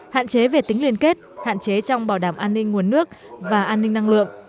hạn chế về tính liên kết hạn chế trong bảo đảm an ninh nguồn nước và an ninh năng lượng